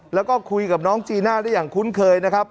แล้วก็คุยกับน้องจีน่าได้อย่างคุ้นเคยนะครับ